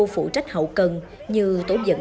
phụ trách học cửa